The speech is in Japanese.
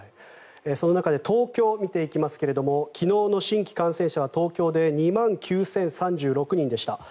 その中で東京を見ていきますが昨日の新規感染者は東京で２万９０３６人でした。